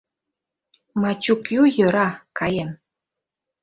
Мачукю Йӧра, каем.